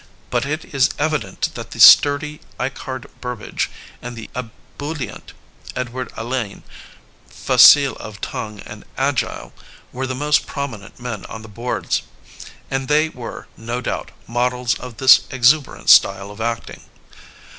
But it is evident that the sturdy Eichard Burbage and the ebullient Edward Alleyne, facile of tongue and agile, were the most prominent men on the boards; and they were, no doubt, models of this exuberant style of acting.